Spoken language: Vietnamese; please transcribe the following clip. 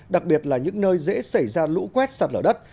đặc biệt là những nơi dễ xảy ra lũ quét sạt lở đất